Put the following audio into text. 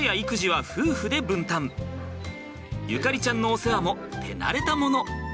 縁ちゃんのお世話も手慣れたもの。